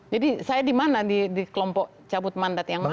jadi saya di mana di kelompok cabut mandat yang mana